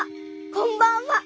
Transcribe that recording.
こんばんは。